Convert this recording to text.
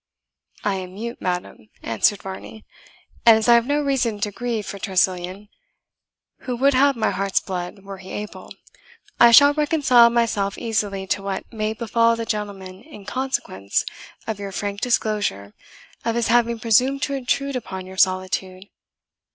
"I am mute, madam," answered Varney; "and as I have no reason to grieve for Tressilian, who would have my heart's blood were he able, I shall reconcile myself easily to what may befall the gentleman in consequence of your frank disclosure of his having presumed to intrude upon your solitude.